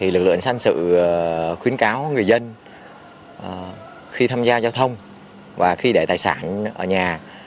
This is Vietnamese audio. lực lượng sân sự khuyến cáo người dân khi tham gia giao thông và khi để tài sản ở nhà